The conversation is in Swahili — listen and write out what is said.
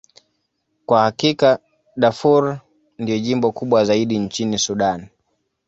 Kwa hakika, Darfur ndilo jimbo kubwa zaidi nchini Sudan.